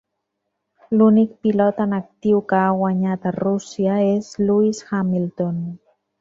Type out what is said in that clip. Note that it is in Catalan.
L'únic pilot en actiu que ha guanyat a Rússia és Lewis Hamilton.